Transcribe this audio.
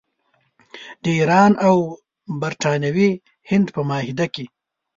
د ایران او برټانوي هند په معاهده کې.